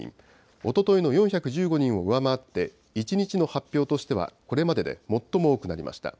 おとといの４１５人を上回って、１日の発表としてはこれまでで最も多くなりました。